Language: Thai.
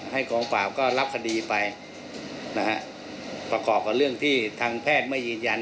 กองปราบก็รับคดีไปนะฮะประกอบกับเรื่องที่ทางแพทย์ไม่ยืนยัน